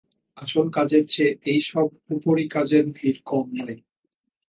আসল কাজের চেয়ে এই-সব উপরি-কাজের ভিড় কম নয়।